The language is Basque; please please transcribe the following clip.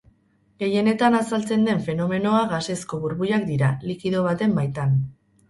Gehienetan azaltzen den fenomenoa gasezko burbuilak dira, likido baten baitan.